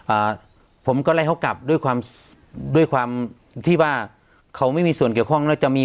อ่าผมก็ไล่เขากลับด้วยความด้วยความด้วยความที่ว่าเขาไม่มีส่วนเกี่ยวข้องแล้วจะมี